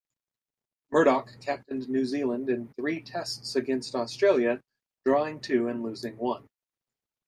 Murdoch captained New Zealand in three Tests against Australia, drawing two and losing one.